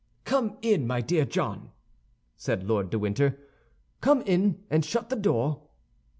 "Come in, my dear John," said Lord de Winter, "come in, and shut the door."